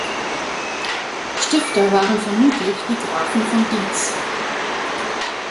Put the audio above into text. Stifter waren vermutlich die Grafen von Diez.